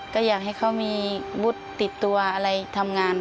ก็อยากให้เขามีวุฒิติดตัวอะไรทำงาน